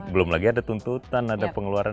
belum lagi ada tuntutan ada pengeluaran